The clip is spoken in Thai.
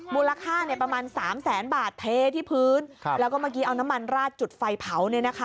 มูลค่าประมาณ๓แสนบาทเทที่พื้นแล้วก็เมื่อกี้เอาน้ำมันราดจุดไฟเผา